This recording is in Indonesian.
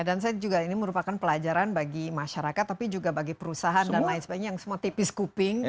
dan saya juga ini merupakan pelajaran bagi masyarakat tapi juga bagi perusahaan dan lain sebagainya yang semua tipis kuping